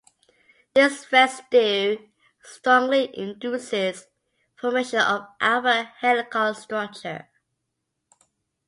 This residue strongly induces formation of alpha-helical structure.